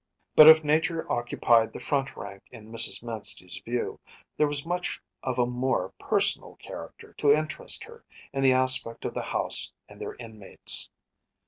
But if nature occupied the front rank in Mrs. Manstey’s view, there was much of a more personal character to interest her in the aspect of the houses and their inmates.